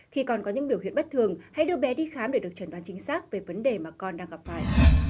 khi còn có những biểu hiện bất thường hãy đưa bé đi khám để được chẩn đoán chính xác về vấn đề mà con đang gặp phải